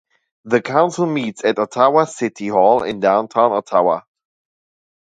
The council meets at Ottawa City Hall in downtown Ottawa.